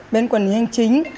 bên quần hành chính